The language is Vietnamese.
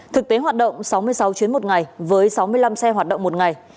thực tế hoạt động sáu mươi sáu chuyến một ngày với sáu mươi năm xe hoạt động một ngày